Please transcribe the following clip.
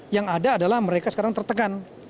yang ada adalah mereka sekarang tertekan